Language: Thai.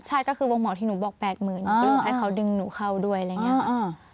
ใช่ก็คือวงหมอที่หนูบอก๘๐๐๐คือให้เขาดึงหนูเข้าด้วยอะไรอย่างนี้